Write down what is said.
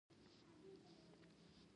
بونیروالو له انګرېزانو څخه پیسې اخیستې وې.